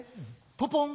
ポポン！